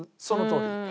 そのとおり。